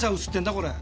これ。